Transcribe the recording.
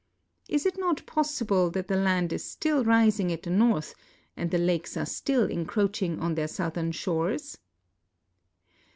Is it not probable that the land is still rising at the north and the lakes are still encroaching on their southern shores?